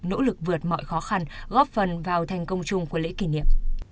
nỗ lực vượt mọi khó khăn góp phần vào thành công chung của lễ kỷ niệm